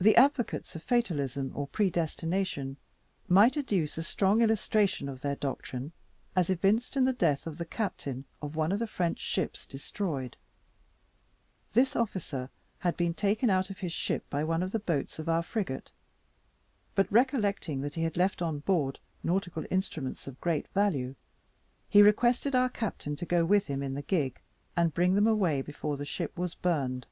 The advocates of fatalism or predestination might adduce a strong illustration of their doctrine as evinced in the death of the captain of one of the French ships destroyed. This officer had been taken out of his ship by one of the boats of our frigate; but, recollecting that he had left on board nautical instruments of great value, he requested our captain to go with him in the gig, and bring them away before the ship was burned.